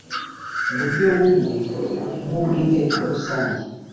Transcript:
buryo bumwe nk ubw inteko rusange